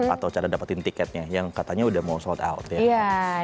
atau cara dapetin tiketnya yang katanya udah mau sold out ya